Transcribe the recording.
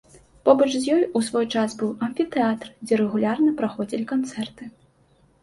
Побач з ёй у свой час быў амфітэатр, дзе рэгулярна праходзілі канцэрты.